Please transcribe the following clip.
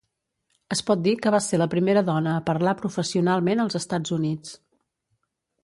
Es pot dir que va ser la primera dona a parlar professionalment als Estats Units.